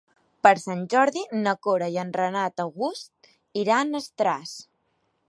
Per Sant Jordi na Cora i en Renat August iran a Estaràs.